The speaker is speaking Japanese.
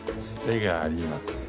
つてがあります。